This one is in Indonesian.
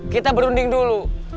kita berunding dulu